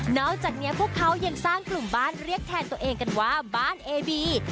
อกจากนี้พวกเขายังสร้างกลุ่มบ้านเรียกแทนตัวเองกันว่าบ้านเอบี